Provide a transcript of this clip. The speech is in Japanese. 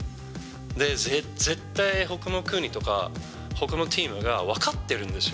で、絶対ほかの国とか、ほかのチームが分かってるんですよ。